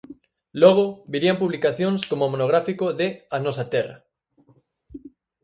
Logo, virían publicacións como o monográfico de "A Nosa Terra".